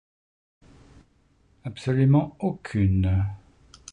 Absolument aucune.